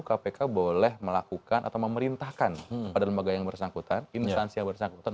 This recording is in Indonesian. kpk boleh melakukan atau memerintahkan kepada lembaga yang bersangkutan instansi yang bersangkutan